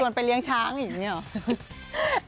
มันไปเลี้ยงช้างอย่างนี้หรอ